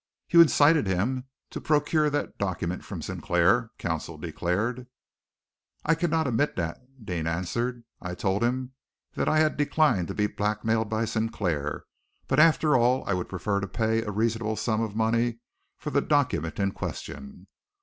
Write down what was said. "You incited him to procure that document from Sinclair," counsel declared. "I cannot admit that," Deane answered. "I told him that I had declined to be blackmailed by Sinclair, but that after all I would prefer to pay a reasonable sum of money for the document in question.